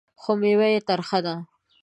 خو مېوه یې ترخه ده .